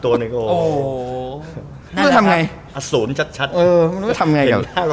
อ่าในแผงลุค